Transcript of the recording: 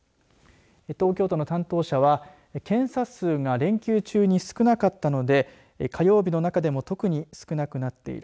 東京都の担当者は検査数が連休中に少なかったので火曜日の中でも特に少なくなっている。